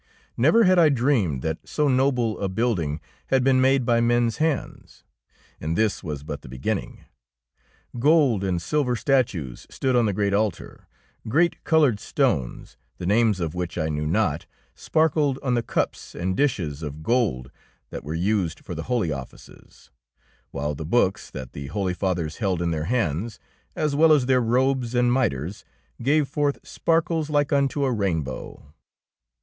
Never had I dreamed that so noble a building had been made by men's hands. And this was but the beginning. Gold and silver statues stood on the great altar; great coloured stones the names of which I knew not, sparkled on the cups and dishes of gold that were used for the holy offices, while the books that the holy fathers held in their hands, as well as their robes and mitres, gave forth sparkles like unto a rainbow.